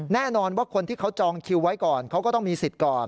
แน่นอนว่าคนที่เขาจองคิวไว้ก่อนเขาก็ต้องมีสิทธิ์ก่อน